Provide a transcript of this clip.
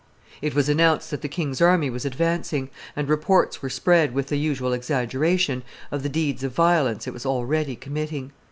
It was announced that the king's army was advancing; and reports were spread, with the usual exaggeration, of the deeds of violence it was already committing.